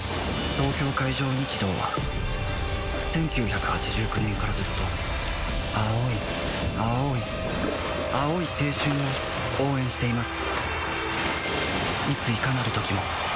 東京海上日動は１９８９年からずっと青い青い青い青春を応援しています